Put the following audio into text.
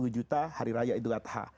empat puluh juta hari raya itu lat ha